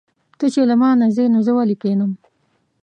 ته چې له مانه ځې نو زه ولې کښېنم.